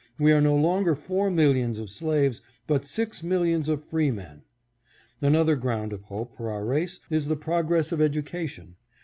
We are no longer four millions of slaves, but six millions of freemen. Another ground of hope for our race is in the progress of education.